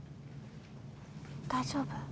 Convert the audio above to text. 大丈夫？